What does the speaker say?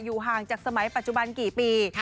ห่างจากสมัยปัจจุบันกี่ปี